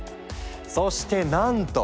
そしてなんと！